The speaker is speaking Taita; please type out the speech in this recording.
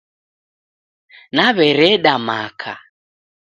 Naw'ereda maka